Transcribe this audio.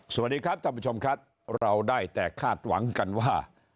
สวัสดีครับท่านผู้ชมครับเราได้แต่คาดหวังกันว่า